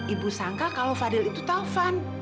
ibu sangka kalau fadil itu telfan